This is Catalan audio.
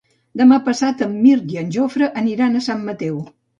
Demà passat en Mirt i en Jofre aniran a Sant Mateu.